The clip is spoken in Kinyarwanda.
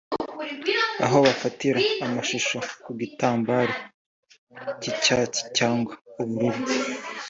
aho bafatira amashusho ku gitambaro cy’icyatsi cyangwa ubururu